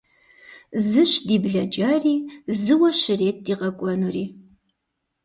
Зыщ ди блэкӀари, зыуэ щрет ди къэкӀуэнури.